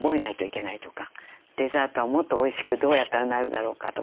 デザートはもっとおいしくどうやったらなるだろうかとか。